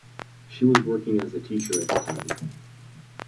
She was working as a teacher at the time.